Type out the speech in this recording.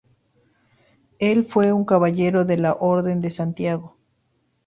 Él fue un Caballero de la Orden de Santiago.